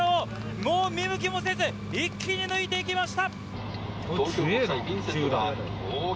もう見向きもせず、一気に抜いていきました。